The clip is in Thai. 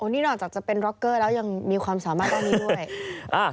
นี่นอกจากจะเป็นร็อกเกอร์แล้วยังมีความสามารถด้านนี้ด้วย